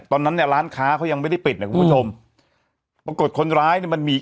ตอนนั้นเนี่ยร้านค้าเขายังไม่ได้ปิดนะคุณผู้ชมปรากฏคนร้ายเนี่ยมันมี